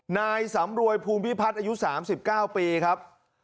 นายสำรวยภูมิพิพัฒน์อายุ๓๙ปีครับ